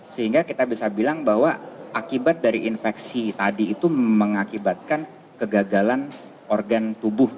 sehingga kita bisa bilang bahwa akibat dari infeksi tadi itu mengakibatkan kegagalan organ tubuh